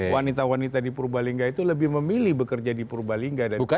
wanita wanita di purbalingga itu lebih memilih bekerja di purbalingga dari jakarta